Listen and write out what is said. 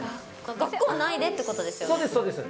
学校内でってことですよね？